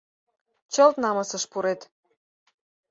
Чылт намысыш пурет.